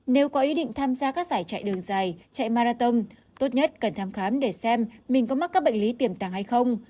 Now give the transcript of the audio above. nếu có ý định tham gia các giải chạy đường dài chạy marathon tốt nhất cần thăm khám để xem mình có mắc các bệnh lý tiềm tàng hay không